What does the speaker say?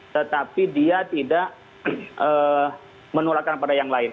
tetapi dia tidak menularkan pada yang lain